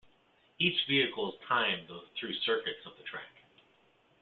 Each vehicle is timed through circuits of the track.